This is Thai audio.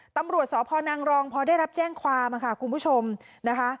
ตำรวจสพนังรองพอได้รับแจ้งความค่ะคุณผู้ชมนะคะ